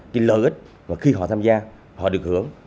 cái lợi ích và khi họ tham gia họ được hưởng